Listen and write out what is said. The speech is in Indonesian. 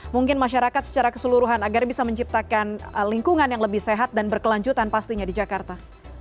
mungkin masyarakat secara keseluruhan agar bisa menciptakan lingkungan yang lebih sehat dan berkelanjutan pastinya di jakarta